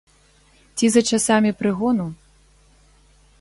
Ці за часамі прыгону?